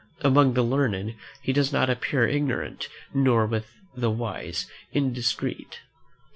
Among the learned, he does not appear ignorant; nor with the wise, indiscreet.